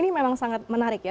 ini memang sangat menarik ya